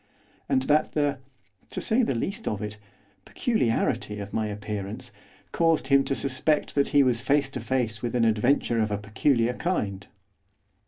And that the to say the least of it peculiarity of my appearance, caused him to suspect that he was face to face with an adventure of a peculiar kind.